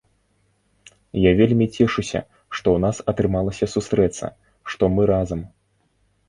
Я вельмі цешуся, што у нас атрымалася сустрэцца, што мы разам.